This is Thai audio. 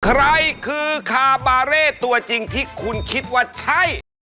ใครคือคาบาเร่ตัวจริงที่คุณคิดว่าใช่